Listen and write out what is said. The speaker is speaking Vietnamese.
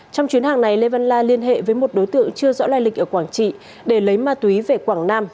trong chuyến hàng này lê văn la liên hệ với một đối tượng chưa rõ lai lịch ở quảng trị để lấy ma túy về quảng nam